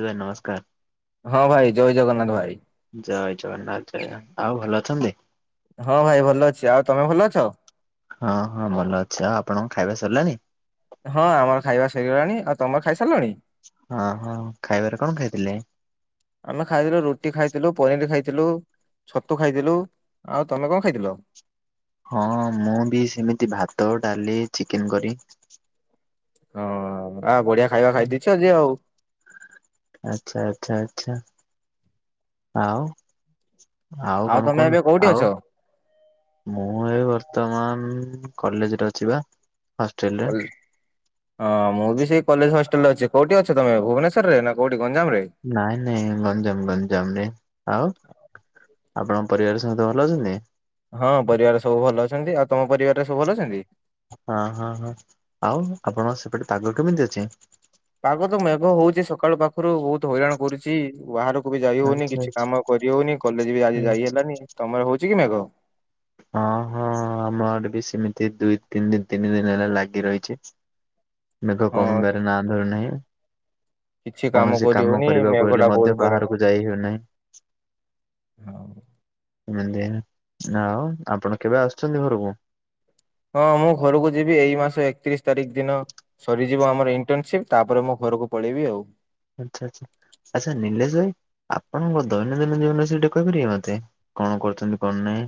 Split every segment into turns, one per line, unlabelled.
ଭାଇ ନମସ୍କାର।
ହଁ ଭାଇ ଜୟ ଜଗନ୍ନାଥ ଭାଇ।
ଜୟ ଜଗନ୍ନାଥ ଜୟ ଜଗନ୍ନାଥ ଆଉ ଭଲ ଅଛନ୍ତି?
ହଁ ଭାଇ ଭଲ ଅଛି ଆଉ ତମେ ଭଲ ଅଛ?
ହଁ ହଁ ଭଲ ଅଛି ଆଉ ଆପଣଙ୍କ ଖାଇବା ସରିଲାଣି?
ହଁ ଆମର ଖାଇବା ସରିଗଲାଣି ଆଉ ତମର ଖାଇସାରିଲଣି?
ହଁ ହଁ ଖାଇବାରେ କଣ ଖାଇଥିଲେ?
ଆମେ ଖାଇଥିଲୁ ରୁଟି ଖାଇଥିଲୁ ପନିର ଖାଇଥିଲୁ। ଛତୁ ଖାଇଥିଲୁ ଆଉ ତମେ କଣ ଖାଇଥିଲ?
ହଁ ମୁଁ ବି ସେମିତି ଭାତ, ଡାଲି, ଚିକେନ କରି
ହଁ ଆ ବଢିଆ ଖାଇବା ଖାଇ ଦେଇଛ ଆଜି ଆଉ।
ଆଚ୍ଛା ଆଚ୍ଛା ଆଚ୍ଛା ଆଉ ଆଉ କଣ
ତମେ ଏବେ
କୁହନ୍ତୁ
କୋଉଠି ଅଛ?
ଆଉ? ମୁଁ ଏ ବର୍ତ୍ତମାନ କଲେଜରେ ଅଛିି ପା।
କଲେ ହଁ ମୁଁ ବି ସେଇ କଲେଜ ହଷ୍ଟେଲ ରେ ଅଛି କୋଉଠି ଅଛ ତମ ଭୁବେଶ୍ଵରରେ ନା କୋଉଠି ଗଞ୍ଜାମରେ?
ନାଇଁ ନାଇଁ ଗଞ୍ଜାମ ଗଞ୍ଜାମ ରେ ଆଉ? ଆପଣଙ୍କ ପରିବାର ସହିତ ଭଲ ଅଛନ୍ତି?
ହଁ ପରିବାର ସବୁ ଭଲ ଅଛନ୍ତି ଆଉ ତମ ପରିବାରରେ ସବୁ ଭଲ ଅଛନ୍ତି?
ହଁ ହଁ ହଁ ଆଉ ଆପଣ ସେପଟେ ପାଗ କେମିତି ଅଛି?
ପାଗ ତ ମେଘ ହଉଚି ସକାଳୁ ପା ପାଖରୁ ବହୁତ ହଇରାଣ କରୁଛି ବାହାରକୁ ବି ଯାଇ ହଉନି
ଆଚ୍ଛା
କିଛି କାମ କରିହଉନି କଲେଜ ବି ଆଜି
ଆଚ୍ଛା
ଯାଇ ହେଲାନି। ତମର ହଉଛି କି ମେଘ?
ହଁ ହୋ। ହଁ ଆମ ଆଡେ ବି ସେମିତି ଦୁଇ ତିନି ଦିନ ତିନି ଦିନ ହେଲା ଲାଗି ରହିଛି। ମେଘ
ହଁ
କମିବାର ନା ଧରୁ ନାହିଁ।
କିଛି
କୌଣସି
କରି
କାମ
ହଉନି
କରିବାକୁ
ମେଘ
ହେଲେ
ଟା ବହୁତ
ମଧ୍ୟ
ହଇରାଣ
ବାହାରକୁ ଯାଇ ହେଉନାହିଁ।
ହଉ।
ସେମିତି ଆଉ ଆପଣ କେବେ ଆସୁଛନ୍ତି ଘରକୁ?
ହଁ ମୁଁ ଘରକୁ ଯିବି ଏଇ ମାସ ଏକତିରିଶ ତାରିଖ ଦିନ। ସରିଯିବ ଆମର ଇଣ୍ଟର୍ନସିପ ତାପରେ ମୁଁ ଘରକୁ ପଳେଇବି ଆଉ।
ଆଚ୍ଛା ଆଚ୍ଛା ଆଚ୍ଛା ନିଲେଶ ଭାଇ? ଆପଣଙ୍କ ଦୈନନ୍ଦିନ ଜୀବନରେ ସେଇଠି କହିପାରିବେ ମତେ କଣ କରୁଛନ୍ତି କଣ ନାହିଁ?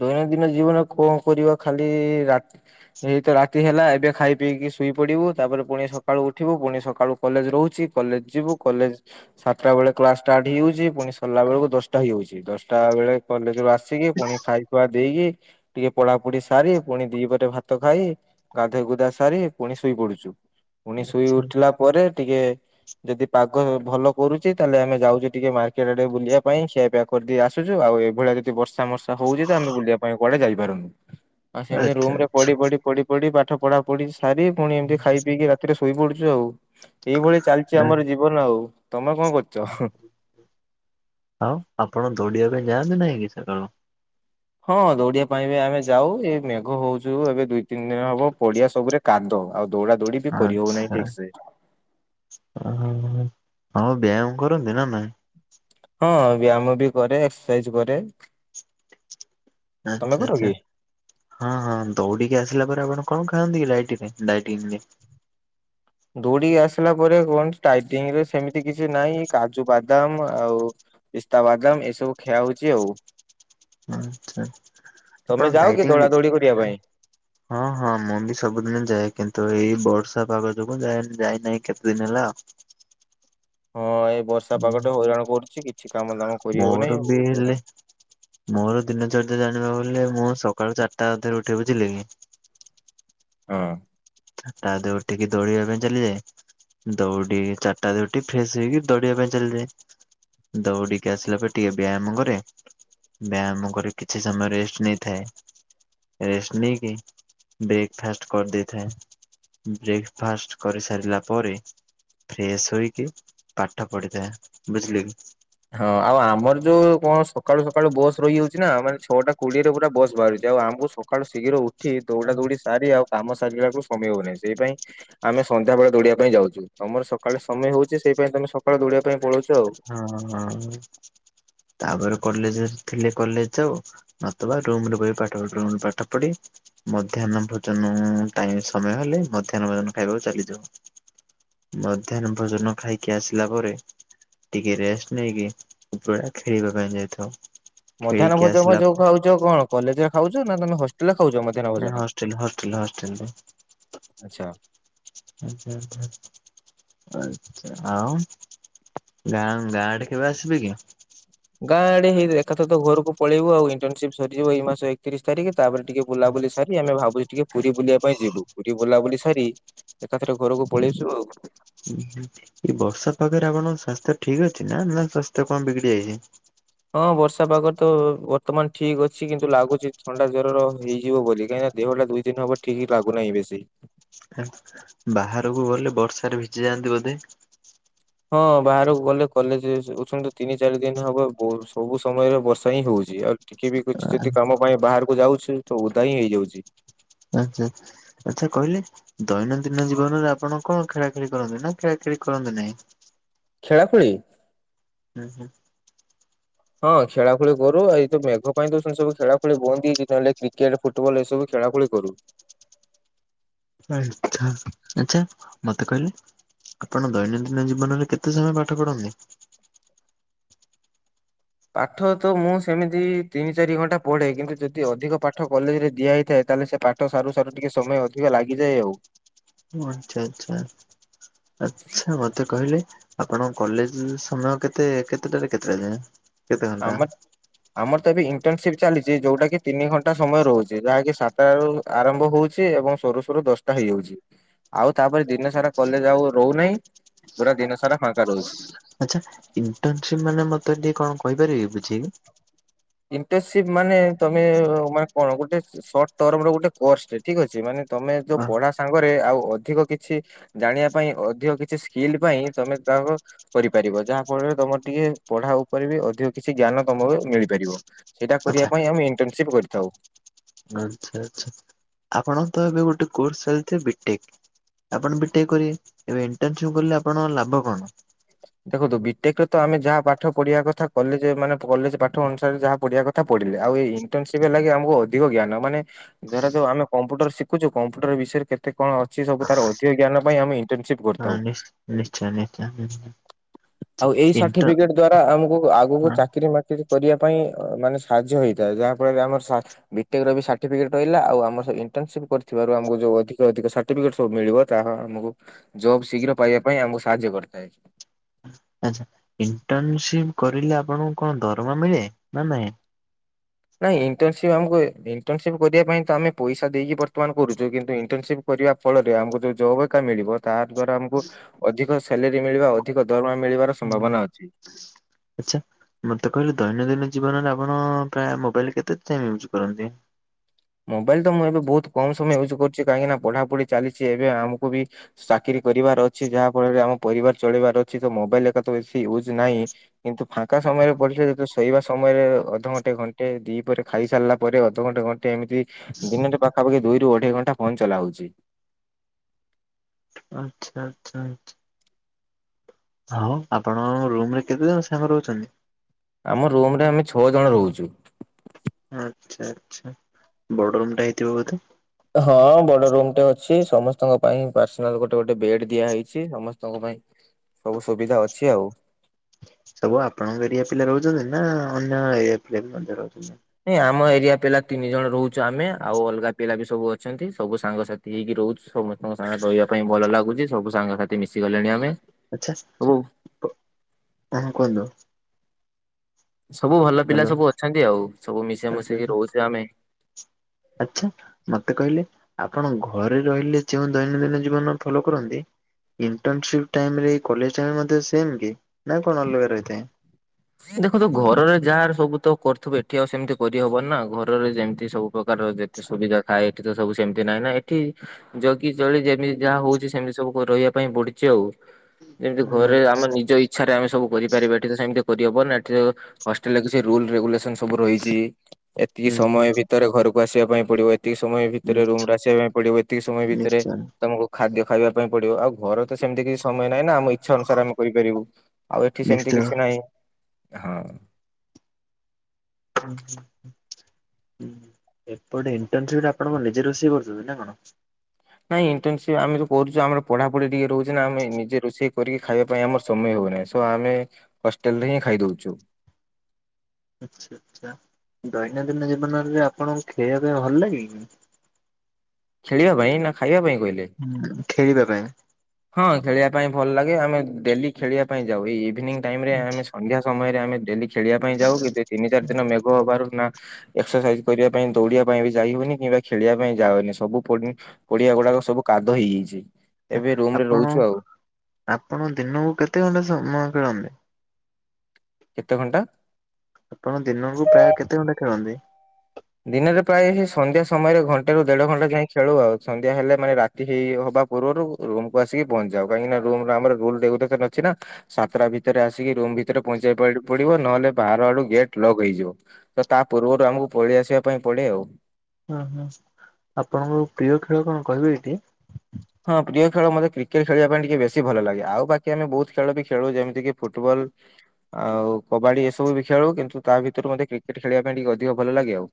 ଦୈନନ୍ଦିନ ଜୀବନ କଣ କରିବ ଖାଲି ରାତି ଏଇ ତ ରାତି ହେଲା ଏବେ ଖାଇ ପିଇକି ଶୋଇ ପଡିବୁ ତାପରେ ପୁଣି ସକାଳୁ ଉଠିବୁ ପୁଣି ସକାଳୁ କଲେଜ ରହୁଛି କଲେଜ ଯିବୁ କଲେଜ ସାତଟା ବେଳେ କ୍ଲାସ୍ ଷ୍ଟାର୍ଟ ହେଇଯାଉଛି ପୁଣି ସରିଲା ବେଳକୁ ଦଶଟା ହେଇଯାଉଛି ଦଶଟା ବେଳେ କଲେଜରୁ ଆସି ଆସିକି ପୁଣି ଖାଇ ଖୁଆ ଦେଇକି ଟିକେ ପଢା ପଢି ସାରି ପୁଣି ଦିପରେ ଭାତ ଖାଇ ଗାଧେଇ ଗୁଧା ସାରି ପୁଣି ଶୋଇ ପଡୁଛୁ। ପୁଣି ଶୋଇ ଉଠିଲା ପରେ ଟିକେ ଯଦି ପାଗ ଭଲ କରୁଛି ତାହେଲେ ଆମେ ଯାଉଛେ ଟିକେ ମା କେବେ ଆଡେ ବୁଲିବା ପାଇଁ ଖିଆପିଆ କରିଦେଇ ଆସୁଛୁ ଆଉ ଏଇଭଳିଆ ଯଦି ବର୍ଷା ମର୍ଷା ହଉଛି ତ ଆମେ ବୁଲିବା ପାଇଁ କୁଆଡେ ଯାଇପାରୁନୁ ଆଉ ସେମିତି
ଆଚ୍ଛା
ରୁମ ରେ ପଡି ପଡି ପଢି ପାଠ ପଢା ପଢି ସାରି ପୁଣି ଏମିତି ଖାଇ ପିଇକି ରାତିରେ ଶୋଇ ପଡୁଛୁ ଆଉ। ଏଇଭଳି ଚାଲିଛି ଆମର ଜୀବନ ଆଉ ତମେ କଣ କରୁଛ?
ଆଉ ଆପଣ ଦୌଡ଼ିବା ପାଇଁ ଯାଆନ୍ତ ନାହିଁ କି ସକାଳୁ?
ହଁ ଦୌଡିବା ପାଇଁ ବି ଆମେ ଯାଉ ଏ ମେଘ ହଉଛୁ ଏବେ ଦୁଇ ତିନି ଦିନ ହବ ପଡିଆ ସବୁରେ କାଦୁଅ ଆଉ ଦୌଡା ଦୌଡି ବି କରି ହଉନାହିଁ
ଆଚ୍ଛା
ଠିକ ସେ।
ହଉ ବ୍ୟାୟାମ କରନ୍ତି ନା ନାହିଁ?
ହଁ ବ୍ୟାୟାମ ବି କରେ ଏକ୍ସରସାଇଜ କରେ। ତମେ
ଆଚ୍ଛା
କର
ଆଚ୍ଛା।
କି?
ହଁ ହଁ ଦୌଡିକି ଆସିଲା ପରେ ଆପଣ କଣ ଖାଆନ୍ତି କି ଡାଇଟି ପାଇଁ ଡାଇଟିଙ୍ଗ ପାଇଁ।
ଦୌଡିିକି ଆସିଲା ପରେ କୁଅନ୍ତି ଡାଇଟିଙ୍ଗ ରେ ସେମିତି କିଛି ନାଇଁ କାଜୁ ବାଦାମ ଆଉ। ପିସ୍ତା ବାଦାମ ଏସବୁ ଖିଆ ହଉଛି ଆଉ।
ଆଛା
ତମେ
ଆପଣ
ଯାଅ କି ଦୌଡା
ଡାଇଟିଂରେ
ଦୌଡି କରିବା ପାଇଁ?
ହଁ ହଁ ମୁଁ ବି ସବୁଦିନ ଯାଏ କିନ୍ତୁ ଏଇ ବର୍ଷା ପାଗ ଯୋଗୁଁ ଯାଏ ଯାଇନାହିଁ କେତେ ଦିନ ହେଲା ଆଉ।
ହଁ ଏ ବର୍ଷା ପାଗଟେ ହଇରାଣ କରୁଛି କିଛି କାମ ଦାମ କରିହଉ ନାଇଁ
ମୋର ବି
ବହୁତ
ହେଲେ
ହଇରାଣ।
ମୋର ଦିନ ଚର୍ଯ୍ୟା ଜାଣିବ ବୋଲେ ମୁଁ ସକାଳୁ ଚାରିଟା ଅଧରେ ଉଠେ ବୁଝିଲେ କି।
ହଁ।
ତା ଧିଅରୁ ଉଠିକି ଦୌଡ଼ିବା ପାଇଁ ଚାଲିଯାଏ। ଦୌଡି ଚାରିଟା ରାତିରୁ ଉଠି ଫ୍ରେଶ ହେଇକି ଦୌଡିବା ପାଇଁ ଚାଲିଯାଏ। ଦଉଡିକି ଆସିଲା ପରେ ଟିକେ ବିୟାମ କରେ। ବିୟାମ କରି କିଛି ସମୟ ରେଷ୍ଟ ନେଇଥାଏ। ରେଷ୍ଟ ନେଇକି ବ୍ରେକଫାଷ୍ଟ୍ କରି ଦେଇଥାଏ। ବ୍ରେକଫାଷ୍ଟ୍ କରିସାରିଲା ପରେ। ଫ୍ରେଶ ହୋଇକି ପାଠ ପଢିଥାଏ ବୁଝିଲେ କି।
ହଁ ଆଉ ଆମର ଯୋଉ କଣ ସକାଳୁ ସକାଳୁ ବସ ରହିଯାଉଛି ନା ମାନେ ଛଅଟା କୋଡିଏରେ ପୁରା ବସ ବାହାରୁଛି ଆଉ ଆମକୁ ସ ସକାଳୁ ଶୀଘ୍ର ଉ ଉଠି ଦୌଡା ଦୌଡି ସାରି ଆଉ କାମ ସାରିଲା ବେଳକୁ ସମୟ ହଉନହିଁ ସେଇ ପାଇଁ ଆମେ ସନ୍ଧ୍ୟା ବେଳେ ଦୌଡିବା ପାଇଁ ଯାଉଛୁ। ତମର ସକାଳେ ସମୟ ହଉଛି ସେଇ ପାଇଁ ତମେ ସକାଳେ ଦଡିବା ପାଇଁ ପଳଉଛ। ଆଉ।
ହଁ ହଁ। ତାପରେ କଲେଜ ରେ ଥିଲେ କଲେଜ ଯାଉ ନଥବା ରୁମରେ ବସି ପାଠ ରୁମ ରେ ପାଠ ପଢି। ମଧ୍ୟାହ୍ନ ଭୋଜନ ଟାଇମ ସମୟ ହେଲେ ମଧ୍ୟାହ୍ନ ଭୋଜନ ଖାଇବାକୁ ଚାଲିଯାଉ। ମଧ୍ୟାହ୍ନ ଭୋଜନ ଖାଇକି ଆସିଲା ପରେ। ଟିକେ ରେଷ୍ଟ ନେଇକି ଉପର ବେଳା ଖେଳିବା ପାଇଁ ଯାଇଥାଉ।
ମଧ୍ୟାହ୍ନ
ଖେଳିକି
ଭୋଜନ
ଆସିଲା
ଯୋଉ ଖାଉଛ କଣ କଲେଜ ରେ ଖାଉଛ ନା ତମେ ହଷ୍ଟେଲ ରେ ଖାଉଛ? ମଧ୍ୟାହ୍ନ
ନାଇଁ
ଭୋଜନ?
ହଷ୍ଟେଲ ହଷ୍ଟେଲ ହଷ୍ଟେଲ ରେ
ଆଚ୍ଛା।
ହୁଁ ହୁଁ ହୁଁ। ଆଛା ଆଉ ଗାଁ ଗାଁଆଡେ କେବେ ଆସିବେ କି?
ଗାଁ ଆଡେ ହେଇ ଏକାଥରେ ତ ଘରକୁ ପଳେଇବୁ ଆଉ ଇଣ୍ଟନସିପ ସରିଯିବ ଏଇ ମାସ ଏକତିରିଶ ତାରିଖ ତାପରେ ଟିକେ ବୁଲାବୁଲି ସାରି ଆମେ ଭାବୁଚୁ ଟିକେ ପୁରୀ ବୁଲିବା ପାଇଁ ଯିବୁ ପୁରୀ ବୁଲାବୁଲି ସାରି ଏକାଥରେ ଘରକୁ ପଳେଇଆସିବୁ ଆଉ।
ଉଁ ହୁଁ ଏ ବର୍ଷା ପାଗରେ ଆପଣଙ୍କ ସ୍ୱାସ୍ଥ୍ୟ ଠିକ୍ ଅଛି ନା ନା ସ୍ୱାସ୍ଥ୍ୟ କଣ ବିଗିଡି ଯାଇଛି?
ହଁ ବର୍ଷା ପାଗରେ ତ ବର୍ତ୍ତମାନ ଠିକ ଅଛି କିନ୍ତୁ ଲାଗୁଛି ଥଣ୍ଡା ଜ୍ବରର ହେଇଯିବ ବୋଲି କାହିଁକି ନା ଦେହଟା ଦୁଇ ଦିନ ହବ ଠିକ ଲାଗୁନାହିଁ ବେଶୀ।
ଆଁ ବାହାରକୁ ଗଲେ ବର୍ଷାରେ ଭିଜି ଯାଆନ୍ତି ବୋଧେ?
ହଁ ବାହାରକୁ ଗଲେ କଲେଜ ଉଛନ୍ତି ତିନି ଚାରି ଦିନ ହବ ବହୁ ସବୁ ସମୟରେ ବର୍ଷା ହିଁ ହଉଛି ଆଉ ଟିକେ ବି କିଛି ଯଦି କାମ ପାଇଁ ବାହାରକୁ ଯାଉଛି ତ ଓଦା ହିଁ ହେଇଯାଉଛି।
ଆଛା। ଆଚ୍ଛା କହିଲେ ଦୈନନ୍ଦିନ ଜୀବନରେ ଆପଣ କଣ ଖେଳା ଖେଳି କରନ୍ତି ନା ଖେଳା ଖେଳି କରନ୍ତି ନାହିଁ।
ଖେଳା ଖେଳି।
ଉଁ ହୁଁ।
ହଁ ଖେଳାଖେଳି କରୁ ଏଇ ତ ମେଘ ପାଇଁ ତ ସେମତି ସବୁ ଖେଳାଖେଳି ବନ୍ଦ ହେଇଚି ନହେଲେ କ୍ରିକେଟ। ଫୁଟବଲ ଏସବୁ ଖେଳା ଖଳି କରୁ।
ଆଛା ଆଛା ମତେ କହିଲେ। ଆପଣ ଦୈନନ୍ଦିନ ଜୀବନରେ କେତେ ସମୟ ପାଠ ପଢନ୍ତି?
ପାଠ ତ ମୁଁ ସେମିତି ତିନି ଚାରି ଘଣ୍ଟା ପଢେ କିନ୍ତୁ ଯଦି ଅଧିକ ପାଠ କଲେଜ ରେ ଦିଆହେଇଥାଏ ତାହଲେ ସେ ପା ଠ ସାରୁ ସାରୁ ଟିକେ ସମୟ ଅଧିକ ଲାଗିଯାଏ ଆଉ।
ଓ ଆଚ୍ଛା ଆଛା ଆଚ୍ଛା ମତେ କହିଲେ। ଆପଣଙ୍କ କଲେଜ ସମୟ କେତେ କେତେଟାରେ କେତେଟା ଯାଏଁ? କେତେ ଘଣ୍ଟା
ଆମ ଆମର ତ ଏବେ ଇଣ୍ଟର୍ନସିପ ଚାଲିଚି ଯୋଉଟା କି ତିନି ଘଣ୍ଟା ସମୟ ରହୁଚି ଯାହାକି ସାତଟାରୁ। ଆରମ୍ଭ ହଉଛି ଏବଂ ସରୁ ସରୁ ଦଶଟା ହେଇଯାଉଛି। ଆଉ ତାପରେ ଦିନ ସାରା କଲେଜ ଆଉ ରହୁନାହିଁ, ପୁରା ଦିନ ସାରା ଫାଙ୍କା ରହୁଛି।
ଆଛା, ଇଣ୍ଟନସିପ ମାନେ ମତେ ଟିକେ କଣ କହିପାରିବେ ବୁଝେଇକି?
ଇଣ୍ଟନସିପ ମାନେ ତମେ ମାନେ କଣ ଗୋଟେ ସଟ ଟର୍ମ ର ଗୋଟେ କୋର୍ସ ଟେ ଠିକ୍ ଅଛି, ମାନେ ତମେ ଯୋଉ ପଢା ସାଙ୍ଗରେ ଆଉ ଅଧିକ କିଛି ଜାଣିବା ପାଇଁ ଅଧିକ କିଛି ସ୍କିଲ୍ ପାଇଁ ତମେ ତାଙ୍କ କରିପାରିବ ଯାହା ଫଳରେ ତମର ଟିକେ ପଢା ଉପରେ ବି ଅଧିକ କିଛି ଜ୍ଞାନ ତମକୁ ମିଳିପାରିବ। ସେଇଟା
ଆଚ୍ଛା
କରିବା ପାଇଁ ଆମେ ଇଣ୍ଟରନସିପ କରିଥାଉ।
ଆଛା, ଆଛା, ଆପଣଙ୍କ ତ ଏବେ ଗୋଟେ କୋର୍ସ ଚାଲିଛି ବିଟେକ୍। ଆପଣ ବିଟେକ୍ କରିବେ ଏବେ ଇଣ୍ଟନସିପ କଲେ ଆପଣଙ୍କ ଲାଭ କଣ?
ଦେଖନ୍ତୁ ବିଟେକରେ ତ ଆମେ ଯାହା ପାଠ ପଢିବା କଥା, କଲେଜ ମାନେ କଲେଜ ପାଠ ଅନୁସାରେ ଯାହା ପଢିବା କ ପଢିଲେ ଆଉ ଏଇଣ୍ଟର୍ନସିପ ହେଲାକି ଆମକୁ ଅଧିକ ଜ୍ଞାନ ମାନେ ଧରା ଯାଉ ଆମେ କମ୍ପ୍ୟୁଟର ଶିଖୁଛୁ, କମ୍ପ୍ୟୁଟର ବିଷୟରେ କେତେ କଣ ଅଛି ସବୁ ତାର ଅଧିକ ଜ୍ଞାନ ପାଇଁ ଆମ ସିପ
ହଁ
କରିଥାଉ।
ନିଶ୍ଚୟ [unintelligible]
ଆଉ ଏଇ
ଇଣ୍ଟ
ସାର୍ଟିଫିକେଟ ଦ୍ଵାରା ଆମକୁ ଆଗକୁ
ହଁ
ଚାକିରି ମାକିରି କରିବା ପାଇଁ ମାନେ ସାହାଯ୍ୟ ହେଇଥାଏ, ଯାହାଫଳରେ ଆମର ସା ବି ଟେ କ ବି ସାର୍ଟିଫିକେଟ ପାଇଲା ଆଉ ଆମ ସ କରିଥିବାରୁ ଆମକୁ ଜଉ ଅଧିକ ଅଧିକ ସା ସାର୍ଟିଫିକେଟ ସବୁ ମିଳିବ ତାହା ଆମକୁ ଜବ୍ ଶୀଘ୍ର ପାଇବା ପାଇଁ ଆମକୁ ସାହାଯ୍ୟ କରିଥାଏ।
ଆଛା, ଇଣ୍ଟରନସିପ କରିଲେ ଆପଣଙ୍କୁ କଣ ଦରମା ମିଳେ ନା ନାଇଁ?
ନାଇଁ ଇଣ୍ଟର୍ନସିପ ଆମକୁ ଇଣ୍ଟର୍ନସିପ କରିବା ପାଇଁ ତ ଆମେ ପଇସା ଦେଇକି ବର୍ତ୍ତମାନ କରୁଛୁ କିନ୍ତୁ ଇଣ୍ଟର୍ନସିପ୍ କରିବା ଫଳରେ ଆମକୁ ଯୋଉ ଜବ୍ ଏକା ମିଳିବ ତା ଦ୍ଵାରା ଆମକୁ ଅଧିକ ସାଲେରୀ ମିଳିବା ଅଧିକ ଦରମା ମିଳିବାର ସମ୍ଭାବନା ଅଛି।
ଆଛା ମତେ କହିଲେ, ଦୈନନ୍ଦିନ ଜୀବନରେ ଆପଣ ପ୍ରାୟ ମୋବାଇଲ କେତେ ଟାଇମ ୟୁଜ୍ କରନ୍ତି?
ମୋବାଇଲ ତ ମୁଁ ଏବେ ବହୁତ କମ ସମୟ ୟୁଜ୍ କରୁଛି, କାହିଁକିନା? ପଢାପଢି ଚାଲିଛି ଏବେ ଆମକୁ ବି ଚାକିରୀ କରିବାର ଅଛି, ଯାହା ଫଳରେ ଆମ ପରିବାର ଚଳେଇବାର ଅଛି ତ, ମୋବାଇଲ ଏକା ତ ବେସି ୟୁଜ ନାହିଁ। କିନ୍ତୁ ଫାଙ୍କା ସମୟରେ ପଡିିଲେ ଯେତବେଳେ ଶୋଇବା ସମୟରେ ଅଧଘଣ୍ଟେ, ଘଣ୍ଟେ, ଦୁଇପହରେ ଖାଇସାରିଲା ପରେ ଅଧଘଣ୍ଟେ ଘଣ୍ଟେ ଏମିତି ଦିନରେ ପାଖାପାଖି ଦୁଇରୁ ଅଢେଇ ଘଣ୍ଟା ଫୋନ ଚଲା ହଉଛି।
ଆଛା, ଆଛା, ଆଛା ଆଉ ଆପଣଙ୍କ ରୁମ ରେ କେତେ ଜଣ ସାଙ୍ଗ ରହୁଛନ୍ତି
ଆମ ରୁମ ରେ ଆମେ ଛଅ ଜଣ ରହୁଛୁ।
ଆଛା, ଆଛା, ବଡ ରୁମ୍ ଟା ହେଇଥିବ ବୋଧେ
ହଁ ବଡ ରୁମ୍ ଟେ ଅଛି, ସମସ୍ତଙ୍କ ପାଇଁ ପର୍ସନାଲ ଗୋଟେ ଗୋଟେ ବେଡ ଦିଆ ହେଇଛି, ସମସ୍ତଙ୍କ ପାଇଁ ସବୁ ସୁବିଧା ଅଛି ଆଉ
ସବୁ ଆପଣଙ୍କ ଏରିଆ ପିଲା ରହୁଛନ୍ତି ନା, ଅନ୍ୟ ଏରିଆ ପିଲା ବି ମଧ୍ୟ ରହୁଛନ୍ତି।
ନାଇଁ ଆମ ଏରିଆ ପିଲା ତିନି ଜଣ ରହୁଛୁ ଆମେ, ଆଉ ଅଲଗା ପିଲା ବି ସବୁ ଅଛନ୍ତି ସବୁ ସାଙ୍ଗସାଥି ହେଇକି ରହୁଛୁ, ସମସ୍ତଙ୍କ ସାଙ୍ଗ ରହିବା ପାଇଁ ଭଲ ଲାଗୁଛି ସବୁ ସାଙ୍ଗ ସାଥି ମିଶିଗଲେଣି ଆମେ
ଆଛା
ସବୁ
ଆ କୁହନ୍ତୁ?
ସବୁ ଭଲ ପିଲା
ହ୍ୟାଲୋ
ସବୁ ଅଛନ୍ତି ଆଉ ସବୁ ମିଶେଇ ମିଶେଇକି ରହୁଛେ ଆମେ
ଆଛା, ମତେ କହିଲେ ଆପଣ ଘରେ ରହିଲେ ଯେଉ ଦୈନନ୍ଦିନ ଜୀବନ ଫଲୋ କରନ୍ତି? ଇଣ୍ଟର୍ନସିପ ଟାଇମରେ ଏୟୀ କଲେଜ ଟାଇମ ମଧ୍ୟ ସେମ କି? ନା କଣ ଅଲଗା ରହିଥାଏ?
ଦେଖନ୍ତୁ ଘରରେ ଯାହାର ସବୁ ତ କରୁଥିବୁ ଏଠି ଆଉ ସେମିତି କରିହବ ନା ଘରରେ ଯେମିତି ସବୁ ପ୍ରକାର ଏତେ ସୁବିଧା ଥାଏ, ଏଠି ତ ସବୁ ସେମିତି ନାହିଁ ନା, ଏଠି ଜଗି ଚଳି ଯେମିତି ଯାହା ହଉଛି, ସେମିତି ସବୁ ରହିବା ପାଇଁ ପଡୁଛି ଆଉ ଯେମିତି
ନା
ଘରେ ଆମ ନିଜ ଇଛାରେ ଆମେ ସବୁ କରିପାରିବା ଏଠି ସେମତି କରିହବନି, ଏଠି ହଷ୍ଟେଲ ର କିଛି ରୁଲ ରେଗୁଲେସନ ସବୁ ରହିଛି, ଏତିକି
ହୁଁ ହୁଁ
ସମୟ ଭିତରେ ଘରକୁ ଆସିବା ପାଇଁ ପଡିବ। ଏତିକି ସମୟ ଭିତରେ ରୁମ
ନିଶ୍ଚୟ
ଆସିବା ପାଇଁ ପଡିବ, ଏତିକି ସମୟ ଭିତରେ
ନିଶ୍ଚୟ
ତମକୁ ଖାଦ୍ୟ ଖାଇବା ପାଇଁ ପଡିବ ଆଉ ଘର ତ ସେମିତି କିଛି ସମୟ ନାହିଁ ନା ଆମ ଇଚ୍ଛା ଅନୁସାରେ ଆମେ କରିପାରିବୁ ଆଉ ଏଠି ସେମିତି
ନିଶ୍ଚୟ।
କିଛି ନାହିଁ। ହଁ।
ହୁଁ ହୁଁ ହ ଏପଟେ ଇଣ୍ଟନ୍ ସିପ୍ ରେ ଆପଣ କଣ ନିଜେ ରୋଷେଇ କରୁଛନ୍ତି ନା କଣ?
ନାଇଁ ଇଣ୍ଟେନ୍ ସିପ୍ ଆମେ ଯୋଉ କରୁଛୁ ଆମର ପଢ଼ା ପଢ଼ି ଟିକେ ରହୁଛି ନା ଆମେ ନିଜେ ରୋଷେଇ କରି ଖାଇବା ପାଇଁ ଆମର ସମୟ ହୋଉନାହିଁ ସ୍। ତ ଆମେ ହଷ୍ଟେଲ୍ ରେ ହିଁ ଖାଇଦୋଉଚୁ।
ଆଚ୍ଛା ଆଚ୍ଛା ଦୈନନ୍ଦିନ ଜୀବନରେ ଆପଣଙ୍କୁ ଖେଳିବା ପାଇଁ ଭଲ ଲାଗେ କିି?
ଖେଳିବା ପାଇଁ ନା ଖାଇବା ପାଇଁ କହିଲେ?
ଖେଳିବା ପାଇଁ।
ହଁ ଖେଳିବା ପାଇଁ ଭଲ୍ ଲାଗେ ଆମେ ଡେଲି ଖେଳିବା ପାଇଁ ଯାଉ ଏଇ ଇଭିନିଂ ଟାଇମ୍ ରେ
ଆଚ୍ଛା
ଆମେ ସ ଅନ୍ଧ୍ୟା ସମୟରେ ଆମେ ଡେଲି ଖେଳିବା ପାଇଁ ଯାଉ କିନ୍ତୁ ଏଇ ତିନି ଚାରି ଦିନ ମେଘ ହବାରୁ ନା ଏକ୍ସର୍ ସାଇଜ୍ କରିବା ପାଇଁ ଦୌଡ଼ିବା ପାଇଁ ବି ଯାଇ ହଉନି କିମ୍ବା ଖେଳିବା ପାଇଁ ଯାଉନି ସବୁ ପ [unintelligible] ପଡ଼ିଆ ଗୁଡ଼ାକ ସବୁ କାଦୁଅ ହେଇଯାଇଛି
ଆଚ୍ଛା।
ଏବେ ରୁମ ରେ
ଆପଣ
ରହୁଛୁ ଆଉ
ଆପଣ ଦିନକୁ କେତେ ଘଣ୍ଟା ସମୟ ଖେଳନ୍ତି?
କେତେ ଘଣ୍ଟା?
ଆପଣ ଦିନକୁ ପ୍ରାୟ କେତେ ଘଣ୍ଟା ଖେଳନ୍ତି?
ଦିନରେ ପ୍ରାୟ ହି ସନ୍ଧ୍ୟା ସମୟରେ ଘଣ୍ଟେ ରୁ ଦେଢ଼ ଘଣ୍ଟା ଯାଏଁ ଖେଳୁ ଆଉ ସନ୍ଧ୍ୟା ହେଲେ ମାନେ ରା ଚି ହେଇ ହବା ପୂର୍ବରୁ ରୁମ୍ କୁ ଆସିକି ପହଞ୍ଚି ଯାଉ କାହିଁକି ନା ରୁମ ରେ ଆମର ରୁଲ୍ ରେଗୁଲେସନ ଅଛି ନା। ସାତଟା ଭିତରେ ଆସିକି ରୁମ୍ ଭିତରେ ପହଞ୍ଚି [unintelligible] ପଡ଼ିବ ନହେଲେ ବାହାର ଆଡ଼ୁ ଗେଟ୍ ଲକ୍ ହେଇଯିବ। ତ ତା ପୂର୍ବରୁ ଆମକୁ ପଳେଇ ଆସିବା ପାଇଁ ପଡ଼େ ଆଉ।
ଅଁ ହଁ ଆପଣଙ୍କ ପ୍ରିୟ ଖେଳ କଣ କହିବେ କି?
ହଁ ପ୍ରିୟ ଖେଳ ମୋତେ କ୍ରିକେଟ୍ ଖେଳିବା ପାଇଁ ଟିକେ ବେଶୀ ଭଲ ଲାଗେ ଆଉ ବାକି ଆମେ ବୋହୁତ୍ ଖେଳ ବି ଖେଳୁ ଯେମିତିିକି ଫୁଟବଲ୍ ଆଉ କବାଡ଼ି ଏସବୁ ବି ଖେଳୁ କିନ୍ତୁ ତା ଭିତରୁ ମୋତେ କ୍ରିକେଟ୍ ଖେଳିବା ପାଇଁ ଟିକେ ଅଧିକ ଭଲ ଲାଗେ ଆଉ।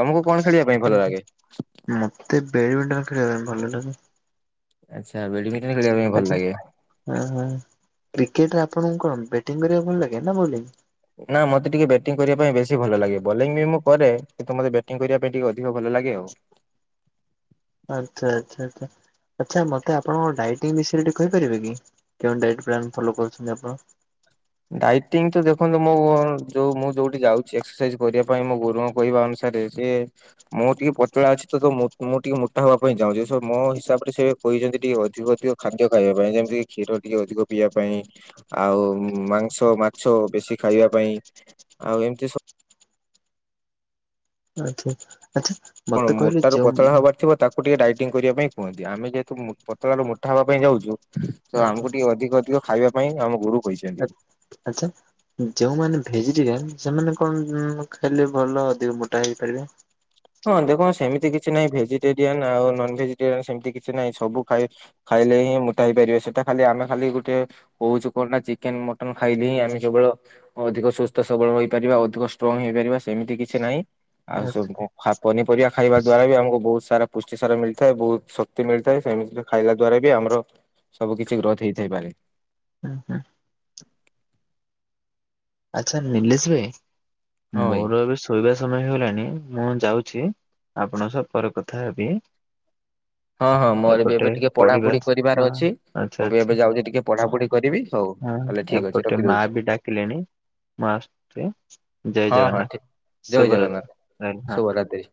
ତମକୁ କଣ ଖେଳିବା ପାଇଁ ଭଲ ଲାଗେ?
ତେ ବେଡ୍ ମିଣ୍ଟନ୍ ଖେଳିବା ପାଇଁ ଭଲ ଲାଗେ।
ଆଚ୍ଛା ବ୍ୟାଡ୍ ମିଟନ୍ ଖେଳିବା ପାଇଁ ଭଲ ଲାଗେ।
ଉଁ ହୁଁ କ୍ରିକେଟ୍ ଟା ଆପଣଙ୍କୁ କଣ ବ୍ୟାଟିଂ କରିବାକୁ ଭଲ ଲାଗେ ନା ବଲିଙ୍ଗ୍?
ନା ମତେ ଟିକେ ବ୍ୟାଟିଂ କରିବା ପାଇଁ ବେଶୀ ଭଲ ଲାଗେ। ବଲିଂ ବି ମୁଁ କରେ କିନ୍ତୁ ମୋତେ ବ୍ୟାଟିଂ କରିବା ପାଇଁ ଟିକେ ଅଧିକ ଭଲ ଲାଗେ ଆଉ।
ଆଚ୍ଛା ଆଚ୍ଛା ଆଚ୍ଛା। ଆଚ୍ଛା ମୋତେ ଆପଣଙ୍କ ଡାଇଟିଂ ବିଷୟରେ ଟିକେ କହିପାରିବେ କି କେଉଁ ଡାଇଟ୍ ପ୍ଲାନ୍ ଫଲୋ କରୁଛନ୍ତି ଆପଣ?
ଡାଇଟିଂ ତ ଦେଖନ୍ତୁ ମୋ ଗୋ ଯୋଉ ମୁଁ ଯୋଉଠି ଯାଉଛି ଏକ୍ସର୍ ସାଇଜ୍ କରିବା ପାଇଁ ମୋ ଗୁରୁଙ୍କ କହିବା ଅନୁସାରେ ଚେ ଥ୍ ମୁଁ ଟିକେ ପତଳା ଅଛି ତ ତ ମୁଁ ମୁଁ ଟିକେ ମୋଟା ହବା ପାଇଁ ଚାହୁଁଛି ସୋ ମୋ ହିସାବ୍ ରେ ସେ କହିଛନ୍ତି ଟିକେ ଅଧିକ ଅଧିକ ଖାଦ୍ୟ ଖାଇବା ପାଇଁ ଯେମିତି କି କ୍ଷୀର ଟିକେ ଅଧିକ ପିଇବା ପାଇଁ ଆଉ ମାଂସ, ମାଛ ବେଶୀ ଖାଇବା ପାଇଁ ଆଉ ଏମିତି ସ
ଆଚ୍ଛା ଆଚ୍ଛା।
କଣ
ମତେ କହିଲେ
ମୋଟାରୁ
ଯେଉଁ
ପତଳା ହବାର ଥିବ ତା କୁ ଟିକେ ଡାଇଟିଂ କରିବା ପାଇଁ କୁହନ୍ତି। ଆମେ ଯେହେତୁ ମୁଁ ପତଳା ରୁ ମୋଟା ହେବା ପାଇଁ ଯାଉଛୁ ତ
ଆଚ୍ଛା
ଆମକୁ ଟିକେ ଅଧିକ ଅଧିକ ଖାଇବା ପାଇଁ ଆମ ଗୁରୁ କହିଛନ୍ତି।
ଆଚ୍ଛା। ଯେଉଁମାନେ ଭେଜେଟେରିଆନ୍ ସେମାନେ କଣ ଖାଇଲେ ଭଲ ଅଧିକ ମୋଟା ହେଇପାରିବେ?
ହଁ ଦେଖ ସେମିତି କିଛି ନାହିଁ ଭେଜିଟେରିଆନ୍ ଆଉ ନନ୍ ଭେଜିଟେରିଆନ୍ ସେମିତି କିଛି ନାହିଁ ସବୁ ଖାଇ ଖାଇଲେ ହିଁ ମୋଟା ହେଇପାରିବେ ସେଟା ଖାଲି ଆମେ ଖାଲି ଗୋଟେ କଉଛୁ କଣ ନା ଚିକେନ୍ ମଟନ୍ ଖାଇଲେ ହିଁ ଆମେ କେବଳ ଅଧିକ ସୁସ୍ଥ ସବଳ ହୋଇପାରିବା ଅଧିକ ଷ୍ଟ୍ରଙ୍ଗ୍ ହେଇପାରିବା ସେମିତି କିଛି ନାହିଁ। ଆଉ ସବୁ କ ଖା ପନିପରିବା ଖାଇବା ଦ୍ଵାରା ହି ଆମକୁ ବୋହୁତ୍ ସାରା ପୁଷ୍ଟି ସାରା ମିଳିଥାଏ, ବହୁତ ଶକ୍ତି ମିଳିଥାଏ, ସେମିତିରେ ଖାଇଲା ଦ୍ଵାରା ବି ଆମର ସବୁ କିଛି ଗ୍ରୋଥ୍ ହେଇଥାଇପାରେ।
ଉଁ ହୁଁ। ଆଚ୍ଛା ନିଲେଶ୍ ବେ
ହଁ ଭାଇ।
ମୋର ଏବେ ସ୍ ଶୋଇବା ସମୟ ହେଇଗଲାଣି ମୁଁ ଯାଉଛି ଆପଣଙ୍କ ସହ ପରେ କଥା ହେବି।
ହଁ ହଁ ମୋର ବି
ଏପଟେ
ଏବେ ଟିକେ
ପଢିବା
ପଢାପଢି କରିବାର
ହଁ
ଅଛି
ଆଚ୍ଛା
ମୁଁ ବି ଏବେ
ଆଚ୍ଛା
ଯାଉଛି ଟିକେ ପଢାପଢି କରିବି ହଉ
ହଁ
ତାଲେ ଠିକ୍ ଅଛି
ଏପଟେ
ରଖି
ମା
ଦଉଛି।
ବି ଡାକିଲେଣି ମୁଁ ଆସୁଛି ଜୟ
ହଁ ହଁ
ଜଗନ୍ନାଥ
ଠିକ ଜୟ
ଶୁଭରାତ୍ରି
ଜଗନ୍ନାଥ
ରହିଲି ହଁ।
ଶୁଭ ରାତ୍ରି।